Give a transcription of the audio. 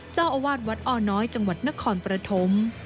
เจ้าอาวาสวัดอ้อน้อยจังหวัดนครปฐม